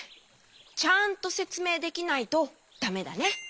ちゃんとせつめいできないとだめだね。